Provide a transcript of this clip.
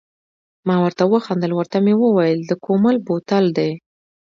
ما ورته و خندل، ورته مې وویل د کومل بوتل دی.